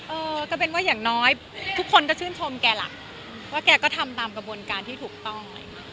เออก็เป็นว่าอย่างน้อยทุกคนก็ชื่นชมแกล่ะว่าแกก็ทำตามกระบวนการที่ถูกต้อง